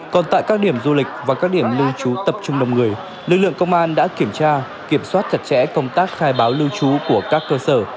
còn tại các điểm du lịch và các điểm lưu trú tập trung đông người lực lượng công an đã kiểm tra kiểm soát chặt chẽ công tác khai báo lưu trú của các cơ sở